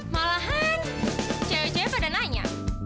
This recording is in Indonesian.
malahan cewe cewe pada nanya